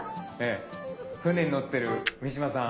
舟に乗ってる三島さん。